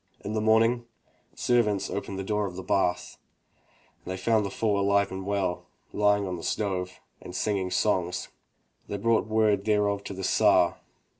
In the morning servants opened the door of the bath and they found the fool alive and well, lying on the stove, and singing songs. They brought word thereof to the Tsar.